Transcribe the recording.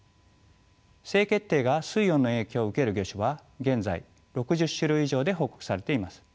性決定が水温の影響を受ける魚種は現在６０種類以上で報告されています。